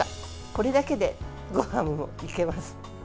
これだけでごはんもいけます。